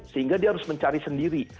sehingga dia harus mencari sendiri